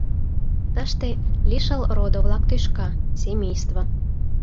Тыште: лишыл родо-влак тӱшка, семейство.